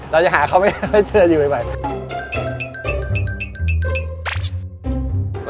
เราอย่าหาเขาไม่ได้เจออยู่ไว้ป่ะ